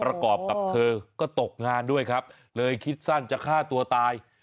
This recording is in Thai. ประกอบกับเธอก็ตกงานด้วยครับเลยคิดสั้นจะฆ่าตัวตาย